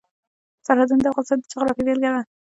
سرحدونه د افغانستان د جغرافیې بېلګه ده.